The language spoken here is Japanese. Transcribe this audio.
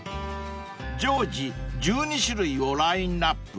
［常時１２種類をラインアップ］